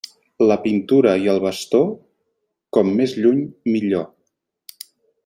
La pintura i el bastó, com més lluny millor.